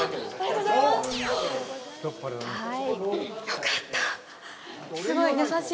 よかった。